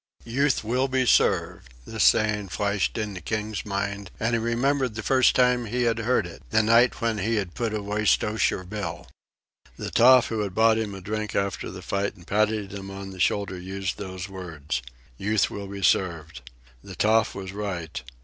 Youth will be served this saying flashed into King's mind, and he remembered the first time he had heard it, the night when he had put away Stowsher Bill. The toff who had bought him a drink after the fight and patted him on the shoulder had used those words. Youth will be served! The toff was right.